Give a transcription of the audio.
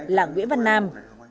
là nguyễn văn nam